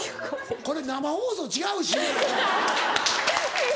これ生放送違うし。